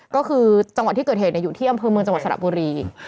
ก็คือจังหวัดที่เกิดเหตุอยู่ที่อำเภอเมืองจังหวัดสระบุรี